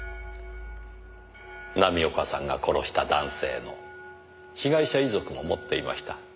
浪岡さんが殺した男性の被害者遺族も持っていました。